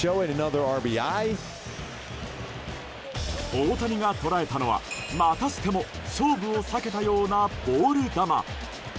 大谷が捉えたのはまたしても勝負を避けたようなボール球。